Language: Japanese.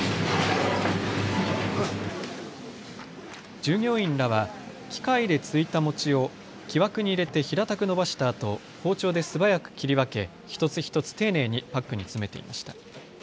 従業員らは機械でついた餅を木枠に入れて平たく伸ばしたあと包丁ですばやく切り分け一つ一つ丁寧にパックに詰めていました。